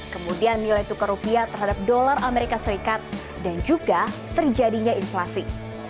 kemudian nilai tukar rupiah terhadap dolar amerika serikat dan juga terjadinya inflasi